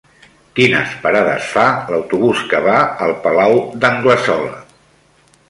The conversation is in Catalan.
Quines parades fa l'autobús que va al Palau d'Anglesola?